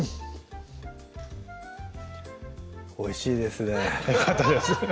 おいしいですねよかったです